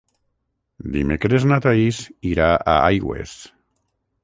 Dimecres na Thaís irà a Aigües.